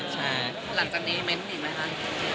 หลังจากนี้เม้นเม้นได้มั้ยคะ